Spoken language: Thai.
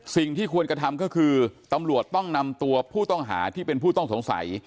สิ่งที่ควรกระทำก็คือตำรวจต้องนำตัวผู้ต้องหาที่เป็นผู้ต้องสงสัย